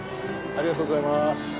ありがとうございます。